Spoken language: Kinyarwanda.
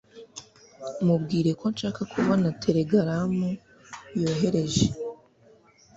Mubwire ko nshaka kubona telegaramu yohereje